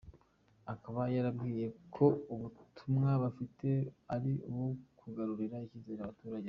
Akaba yababwiye ko ubutumwa bafite ari ubwo kugarurira icyizere abaturage, ati ".